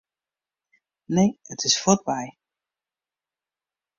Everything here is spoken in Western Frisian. Nee, it is fuortby.